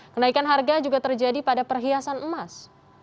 kenaikan harga juga terjadi pada perhiasan emas